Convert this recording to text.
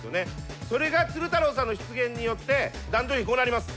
それが鶴太郎さんの出現によって男女比こうなります。